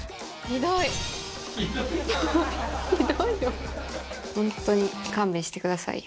ひどい。